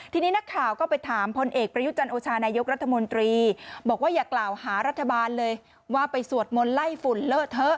ทีนี้นักข่าวก็ไปถามพลเอกประยุจันโอชานายกรัฐมนตรีบอกว่าอย่ากล่าวหารัฐบาลเลยว่าไปสวดมนต์ไล่ฝุ่นเลอะเถอะ